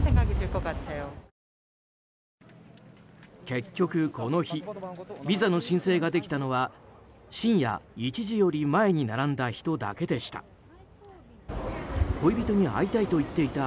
結局この日ビザの申請ができたのは深夜１時より前に並んだ人だけでした。